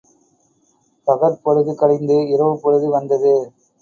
பகற்பொழுது கழிந்து இரவுப்பொழுது வந்தது.